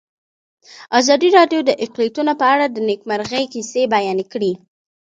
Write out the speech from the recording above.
ازادي راډیو د اقلیتونه په اړه د نېکمرغۍ کیسې بیان کړې.